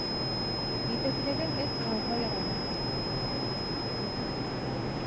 Етәкләгән эт ауға ярамай